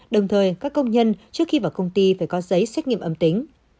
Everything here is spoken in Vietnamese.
đồng thời các công nhân trước khi vào công ty phải có giấy xét nghiệm âm tính